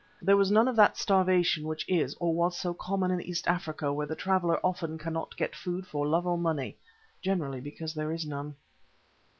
There was none of that starvation which is, or was, so common in East Africa where the traveller often cannot get food for love or money generally because there is none.